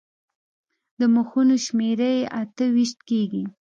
د مخونو شمېره یې اته ویشت کېږي.